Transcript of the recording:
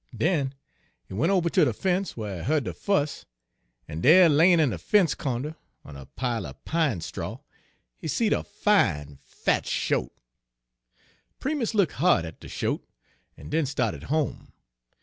Den he went ober ter de fence whar he heard de fuss, en dere, layin' in de fence co'nder, on a pile er pine straw, he seed a fine, fat shote. "Primus look' ha'd at de shote, en den sta'ted home.